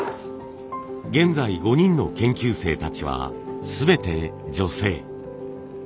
現在５人の研究生たちは全て女性。